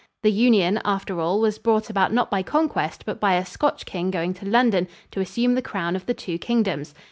The union, after all, was brought about not by conquest but by a Scotch king going to London to assume the crown of the two kingdoms.